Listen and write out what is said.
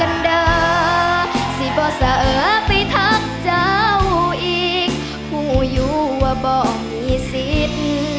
ดาสิบ่เสอไปทักเจ้าอีกผู้อยู่ว่าบ่มีสิทธิ์